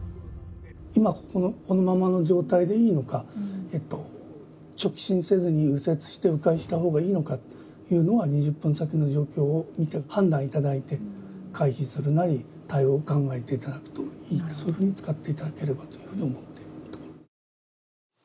今、このままの状態でいいのか、直進せずに右折してう回したほうがいいのかというのは、２０分先の状況を見て判断いただいて、回避するなり、対応を考えていただくといいと、そういうふうに使っていただければというふうに思っております。